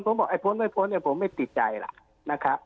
ผมบอกไอ้พ้นไม่พ้นเนี่ยผมไม่ติดใจล่ะนะครับ